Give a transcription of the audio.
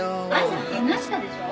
「朝話したでしょ」